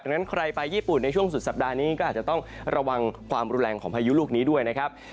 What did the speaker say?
นั้นใครไปญี่ปุ่นในช่วงสุดสัปดาห์นี้ก็อาจจะต้องระวังความรุนแรงของพายุลูกนี้ด้วยนะครับ